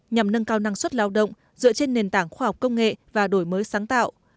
nhằm nâng cao năng suất lao động dựa trên nền tảng khoa học công nghệ và đổi mới sáng tạo